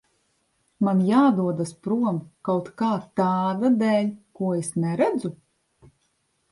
Man jādodas prom kaut kā tāda dēļ, ko es neredzu?